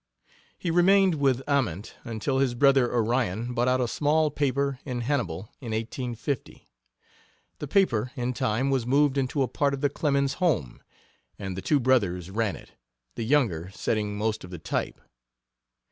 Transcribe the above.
He remained with Ament until his brother Orion bought out a small paper in Hannibal in 1850. The paper, in time, was moved into a part of the Clemens home, and the two brothers ran it, the younger setting most of the type.